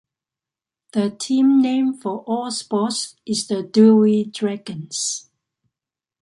The team name for all sports is "The Dewey Dragons".